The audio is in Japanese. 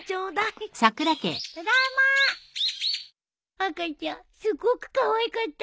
赤ちゃんすごくかわいかったよ。